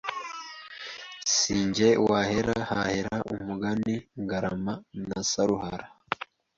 Si jye wahera hahera umugani Ngarama na Saruhara